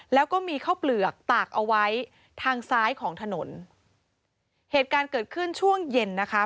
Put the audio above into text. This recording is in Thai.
แล้วก็มีข้าวเปลือกตากเอาไว้ทางซ้ายของถนนเหตุการณ์เกิดขึ้นช่วงเย็นนะคะ